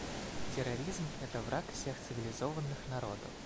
Терроризм — это враг всех цивилизованных народов.